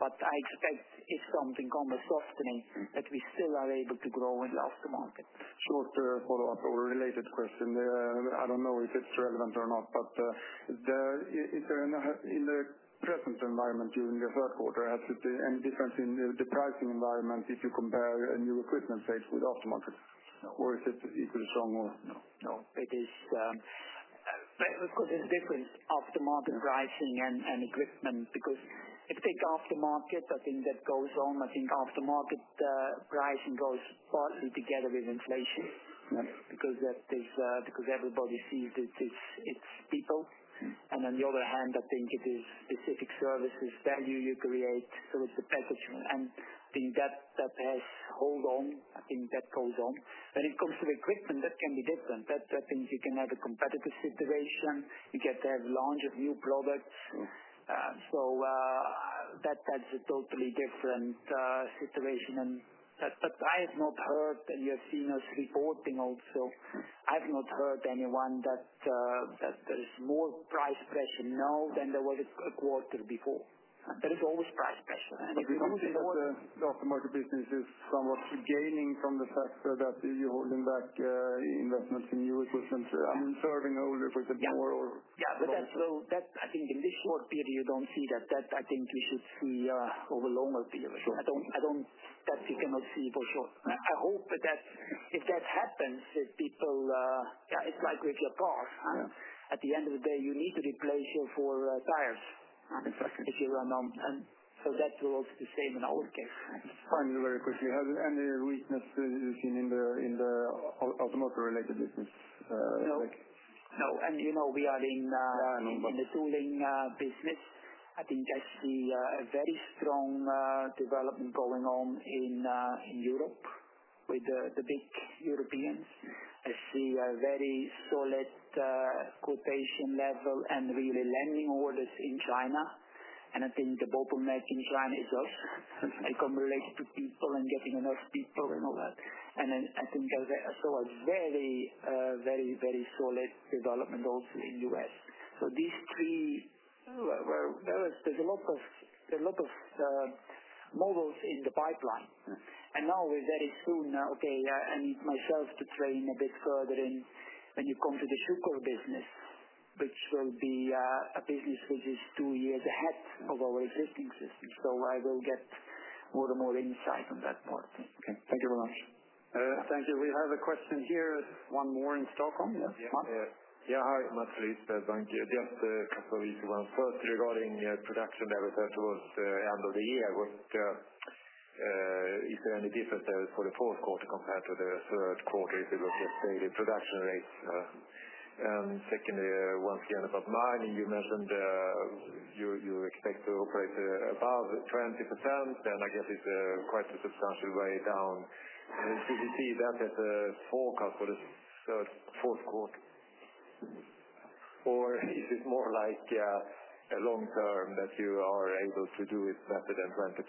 what I expect is something called a softening, that we still are able to grow in the aftermarket. I want to follow up on a related question. I don't know if it's relevant or not, but in the present environment during the third quarter, has it any difference in the pricing environment if you compare new equipment, say, with aftermarket? Or is it equally strong or no? No, it is, of course, it's different aftermarket pricing and equipment because if you take aftermarket, I think that goes on. I think aftermarket pricing goes partly together with inflation because everybody sees it is stable. On the other hand, I think it is specific services value you create towards the packaging. I think that price holds on. I think that holds on. When it comes to equipment, that can be different. That means you can have a competitive situation. You get to have larger new products. That's a totally different situation. I have not heard that you have seen us reporting also. I have not heard anyone that there is more price pressure now than there was a quarter before. There is always price pressure. It's always in order. Aftermarket business is somewhat regaining from the fact that you hold back investments in new equipment, serving old equipment more or less. That's, I think, in this quarter period you don't see that. I think we should see over a longer period. You cannot see for sure. I hope that if that happens, if people, yeah, it's like with your car. At the end of the day, you need to replace it for tires if you run down. That's also the same in our case. I'm sorry to interrupt you. Have you had any weaknesses you've seen in the automotive-related business? No. No. You know we are in the tooling business. I think I see a very strong development going on in Europe with the big Europeans. I see a very solid quotation level and really landing orders in China. I think the bottleneck in China is us. I can relate to people and getting enough people and all that. I think there's also a very, very, very solid development also in the U.S. These three, there's a lot of models in the pipeline. Very soon, I need myself to train a bit further when you come to the true core business, which will be a business which is two years ahead of our existing business. I will get more and more insight on that part. Thank you very much. Thank you. We have a question here. One more in Stockholm. Yeah. Hi, [Matt]. Thank you. Just a couple of weeks ago, I was asking regarding production that was at the end of the year. Is there any difference there for the fourth quarter compared to the third quarter? Is it the same production rate? Secondly, once again, about mining, you mentioned you expect to operate above 20%. I guess it's quite a substantial way down. Do you see that as a forecast for the third or fourth quarter? Is it more like a long-term that you are able to do with more than 20%?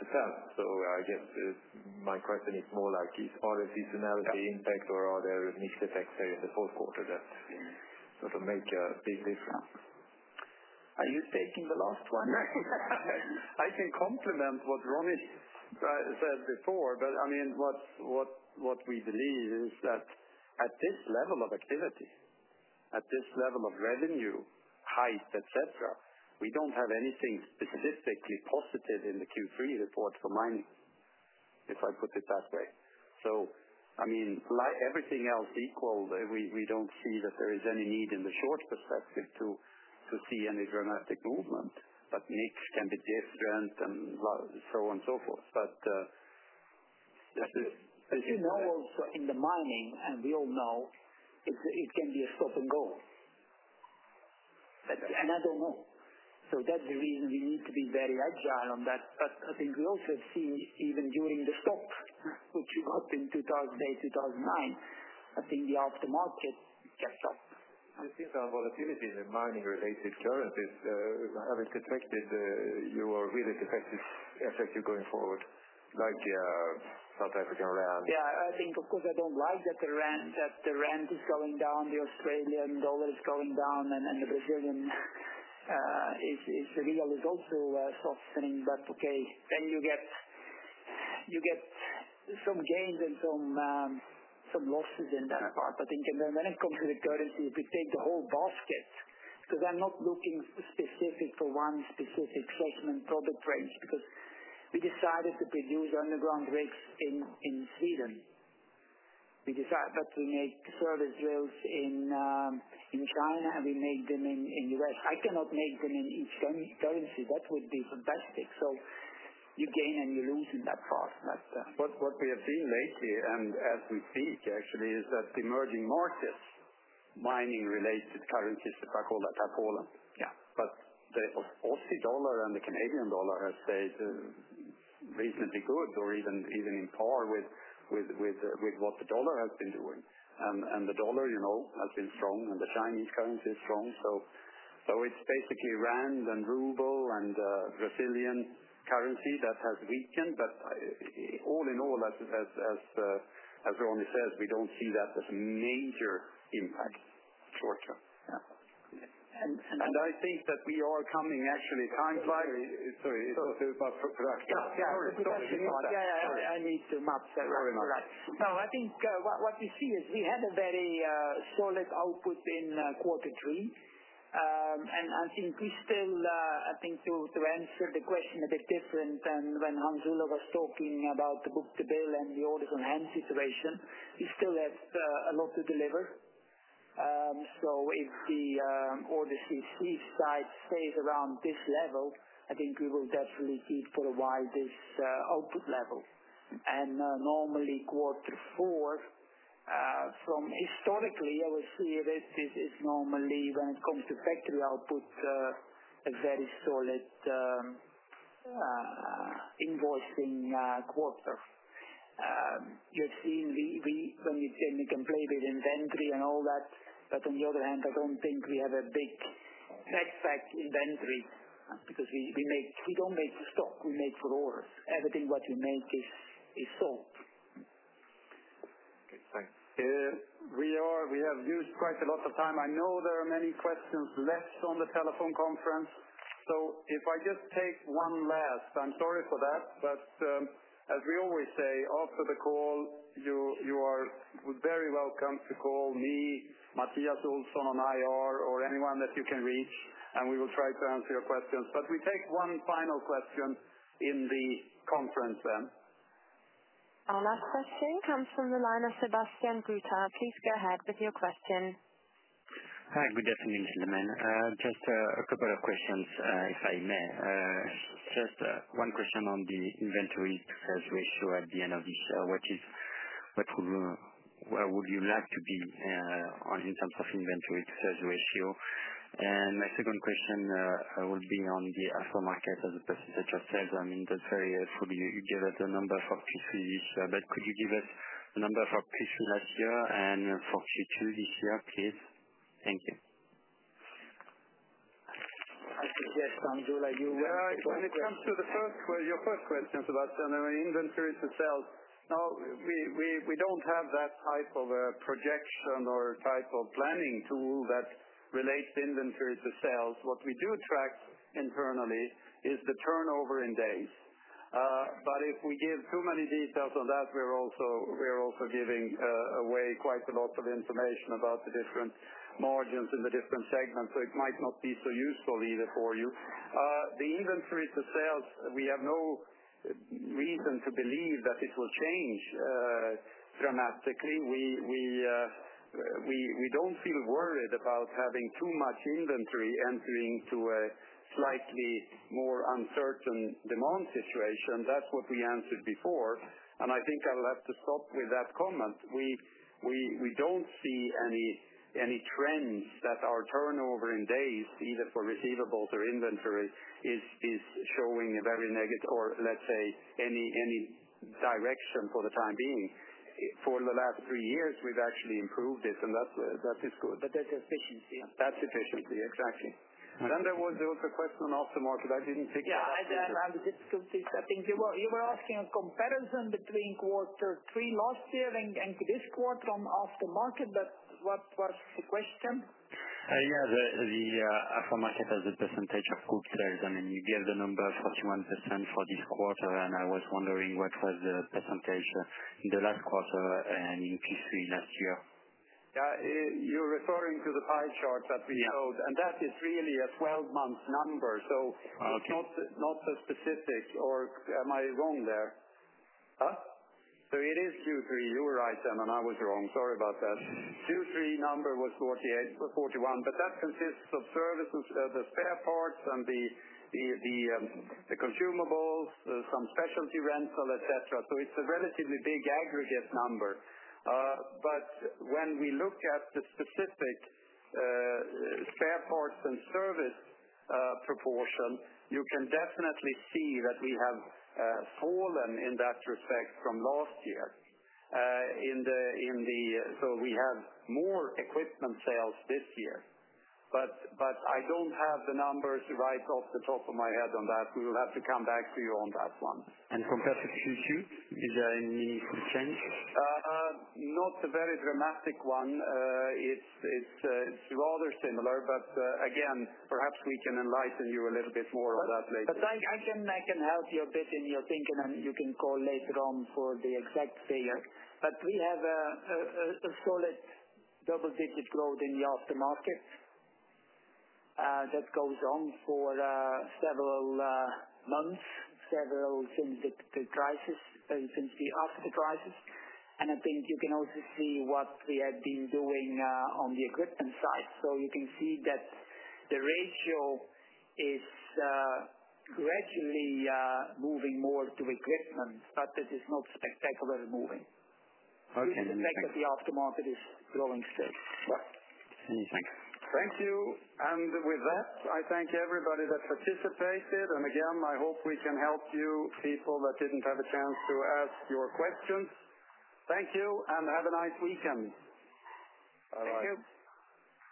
My question is more like, are there seasonality impacts or are there mixed effects in the fourth quarter that seem to make a big difference? Are you taking the last one? I can complement what Ronnie said before. What we believe is that at this level of activity, at this level of revenue height, etc., we don't have anything specifically positive in the Q3 report for mining, if I put it that way. Like everything else equal, we don't see that there is any need in the short perspective to see any dramatic movement. Mixed can be different and so on and so forth. In the mining, and we all know, it can be a shot and go. I don't know. That's the reason we need to be very agile on that. I think we also have seen even during the stocks, looking up in 2008, 2009, I think the aftermarket kept up. How has volatility in mining-related currencies affected you or will it affect you going forward, like the South African rand? Yeah. I think, of course, I don't like that the rand is going down, the Australian dollar is going down, and the Brazilian real is also softening. Okay, then you get some gains and some losses in that part. I think when it comes to the currency, we take the whole basket. We're not looking specific for one specific product range because we decided to produce underground rigs in Sweden. We decided that we make service rigs in China and we make them in the U.S. I cannot make them in East Germany. That would be fantastic. You gain and you lose in that part. What we have seen lately, as we think actually, is that the emerging markets, mining-related currencies, the black hole, the black hole. Yeah. The Aussie dollar and the Canadian dollar have stayed reasonably good or even in par with what the dollar has been doing. The dollar, you know, has been strong and the Chinese currency is strong. It's basically rand and ruble and Brazilian currency that has weakened. All in all, as Ronnie says, we don't see that as a major impact. I think that we are coming actually time-savvy. Sorry. Yeah, I need to map that. Very much. Right. I think what we see is we have a very solid output in quarter three. I think to answer the question a bit different than when Hans Ola Meyer was talking about the book to bill and the order for hand situation, we still have a lot to deliver. If the orders in Swiss size stays around this level, I think we will definitely be for a while at this output level. Normally, quarter four, historically, I would say this is normally when it comes to factory outputs, a very solid invoicing quarter. You've seen when you've seen the completed inventory and all that. On the other hand, I don't think we have a big net factor inventory because we don't make the stock. We make for orders. Everything we make is sold. Okay. Thanks. We have used quite a lot of time. I know there are many questions left on the telephone conference. If I just take one last, I'm sorry for that. As we always say, after the call, you are very welcome to call me, Mattias Olsson on IR, or anyone that you can reach. We will try to answer your questions. We take one final question in the conference then. Our last question comes from the line of Sebastian Kuenne. Please go ahead with your question. Hi. Good afternoon, gentlemen. Just a couple of questions, if I may. Just one question on the inventory to sales ratio at the end of this. What would you like to be on in terms of inventory to sales ratio? My second question will be on the aftermarket of the percentage of sales. I mean, that's very useful. You give us a number for Q3 this year, but could you give us a number for Q2 last year and for Q2 this year, please? Thank you. Hans Ola. When it comes to the first question, your first question is about inventory for sales. We don't have that type of projection or type of planning tool that relates to inventory for sales. What we do track internally is the turnover in days. If we give too many details on that, we're also giving away quite a lot of information about the different margins in the different segments, so it might not be so useful either for you. The inventory for sales, we have no reason to believe that it will change dramatically. We don't feel worried about having too much inventory entering into a slightly more uncertain demand situation. That's what we answered before, and I think I'll have to stop with that comment. We don't see any trend that our turnover in days, either for receivables or inventory, is showing a very negative or any direction for the time being. For the last three years, we've actually improved this, and that is good. That's the business, yeah. That's the business, yeah, exactly. Okay. There was also a question on aftermarket. I didn't think— I didn't—and the difficulty is what you—you were asking a comparison between quarter three last year and this quarter on aftermarket. What's the question? For my quarter, the percentage of quarters, and then you give the number of 41% for this quarter. I was wondering what was the percentage in the last quarter and in Q3 last year. Yeah, you're referring to the pie chart that we showed. That is really a 12-month number. Oh, okay. Not the statistics, or am I wrong there? Huh? It is Q3. You were right, and I was wrong. Sorry about that. Q3 number was 48, 41, but that consists of services, the spare parts, and the consumables, some specialty rental, etc. It is a relatively big aggregate number. When we look at the specific spare parts and service proportion, you can definitely see that we have fallen in that respect from last year. We have more equipment sales this year. I don't have the numbers right off the top of my head on that. We'll have to come back to you on that one. Any competitive issues? Is there any sense? Not a very dramatic one. It's rather similar, but perhaps we can enlighten you a little bit more on that later. Okay. I can help you a bit in your thinking, and we can call later on for the exact figure. We have a flawless double-digit growth in the aftermarket that goes on for several months, several since the crisis, since after the crisis. I think you can also see what we have been doing on the equipment side. You can see that the ratio is gradually moving more to equipment, but it is not spectacularly moving. Okay. I think the aftermarket is growing still. Thank you. Thank you. With that, I thank everybody that participated. I hope we can help you people that didn't have a chance to ask your questions. Thank you, and have a nice weekend. Bye-bye. Thanks.